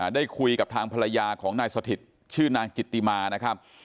ได้คุยกับทางภรรยาของนายสถิตชื่อนางจิตติมานะครับ